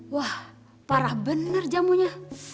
wah parah bener jamunya